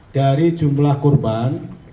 dari jumlah kurban